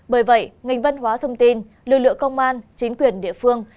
bởi vậy ngành văn hóa thông tin lưu lựa công an chính quyền địa phương